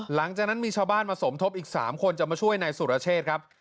หลังจากนั้นมีชาวบ้านมาสมทบอีก๓คนจะมาช่วยนายสุรเชษครับ